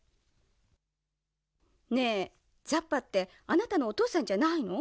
ねえザッパってあなたのおとうさんじゃないの？